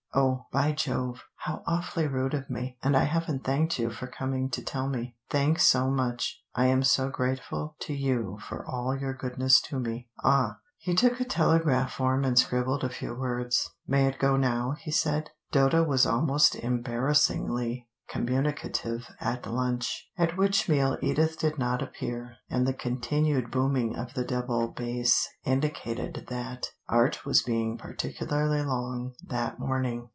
"Oh, by Jove, how awfully rude of me, and I haven't thanked you for coming to tell me. Thanks so much: I am so grateful to you for all your goodness to me ah!" He took a telegraph form and scribbled a few words. "May it go now?" he said. Dodo was almost embarrassingly communicative at lunch, at which meal Edith did not appear, and the continued booming of the double bass indicated that Art was being particularly long that morning.